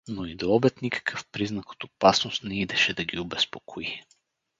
Но и до обед никакъв признак от опасност не идеше да ги обезпокои.